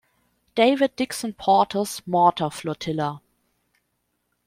David Dixon Porter's Mortar Flotilla.